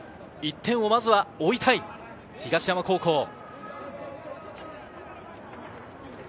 １点をまずは追いたい、東山高校。